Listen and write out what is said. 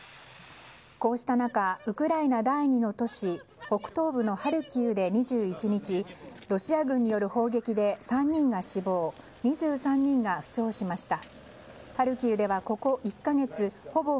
こうした中ウクライナ第２の都市北東部のハルキウで２１日ロシア軍による砲撃で３人が死亡２３人が負傷しました。